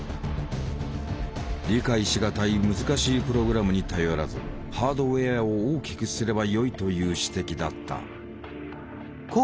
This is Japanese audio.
理解しがたい難しいプログラムに頼らずハードウェアを大きくすればよいという指摘だった。